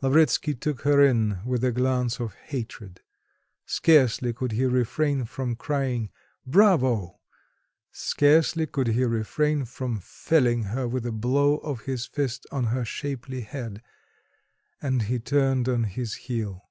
Lavretsky took her in with a glance of hatred; scarcely could he refrain from crying: "Bravo!" scarcely could he refrain from felling her with a blow of his fist on her shapely head and he turned on his heel.